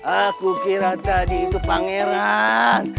aku kira tadi itu pangeran